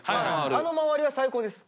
あの周りは最高です。